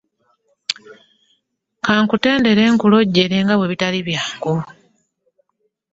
Kankutendere knulojjere nga bwebitaali byangu .